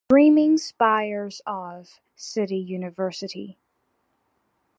The dreaming spires of... City University.